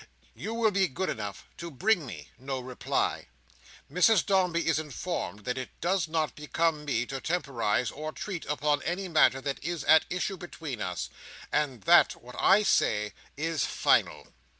You will be good enough to bring me no reply. Mrs Dombey is informed that it does not become me to temporise or treat upon any matter that is at issue between us, and that what I say is final."